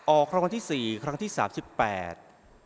รางวัลที่สี่ครั้งที่สามสิบแปด